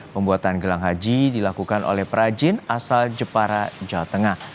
pembuatan gelang haji dilakukan oleh perajin asal jepara jawa tengah